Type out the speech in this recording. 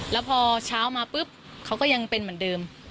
แล้วพอเช้ามาปุ๊บเขาก็ยังเป็นเหมือนเดิม